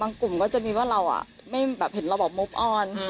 บางกลุ่มก็จะมีว่าเราอ่ะไม่เห็นเราบอกมุบออน